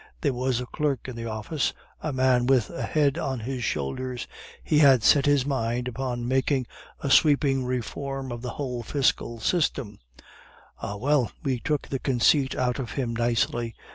There was a clerk in the office, a man with a head on his shoulders; he had set his mind upon making a sweeping reform of the whole fiscal system ah, well, we took the conceit out of him nicely.